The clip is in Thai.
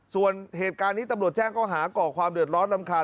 ส่วนเหตุการณ์นี้ตำรวจแจ้งเขาหาก่อความเดือดร้อนรำคาญ